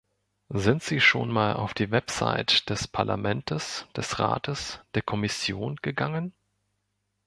Sind Sie schon mal auf die Website des Parlamentes, des Rates, der Kommission gegangen?